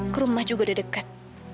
ke rumah juga udah deket